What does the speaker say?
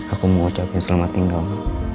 aku mau ucapin selamat tinggal